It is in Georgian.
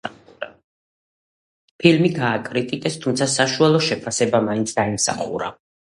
ფილმი გააკრიტიკეს, თუმცა საშუალო შეფასება მაინც დაიმსახურა.